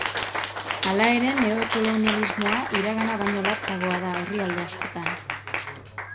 Hala ere neokolonialismoa iragana baino latzagoa da herrialde askotan.